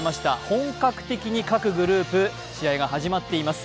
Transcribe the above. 本格的に各グループ試合が始まっています。